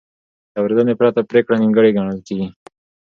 د اورېدنې پرته پرېکړه نیمګړې ګڼل کېږي.